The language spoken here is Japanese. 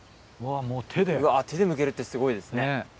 うわ手でむけるってすごいですね。